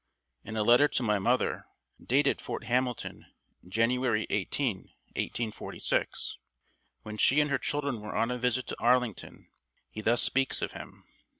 In a letter to my mother, dated Fort Hamilton, January 18, 1846, when she and her children were on a visit to Arlington, he thus speaks of him